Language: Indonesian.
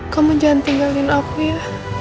kamu jangan tinggalin api ya